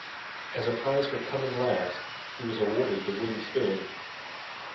As a prize for coming last, he was awarded the wooden spoon.